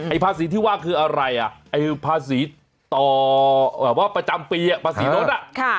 ภาษีที่ว่าคืออะไรอ่ะไอ้ภาษีต่อแบบว่าประจำปีภาษีรถอ่ะ